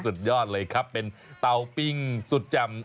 สุดยอดเลยครับเป็นเตาปิ้งสุดแจ่ม